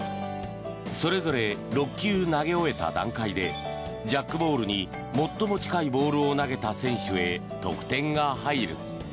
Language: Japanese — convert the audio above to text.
それぞれ６球投げ終えた段階でジャックボールに最も近いボールを投げた選手へ得点が入る。